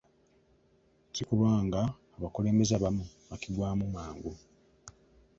Si kulwanga abakulembeze abamu bakigwamu mangu.